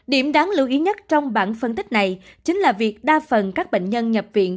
điểm đáng lưu ý nhất trong bản phân tích này chính là việc đa phần các bệnh nhân nhập viện